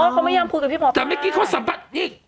เขาไม่ยังคุยกับพี่หมอป๊าแต่เมื่อกี้เขาสัมภาษณ์นี่